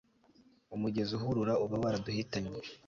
umugezi uhurura uba waraduhitanye